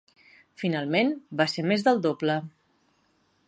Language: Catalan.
Finalment, va ser més del doble.